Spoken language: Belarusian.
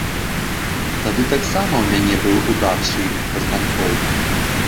Тады таксама ў мяне быў удар шыйных пазванкоў.